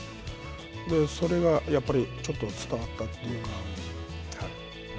それがやっぱりちょっと伝わったっていうか。